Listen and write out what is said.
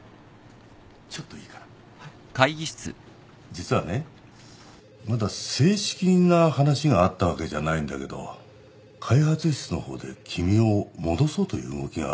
実はねまだ正式な話があったわけじゃないんだけど開発室の方で君を戻そうという動きがあるみたいなんだ。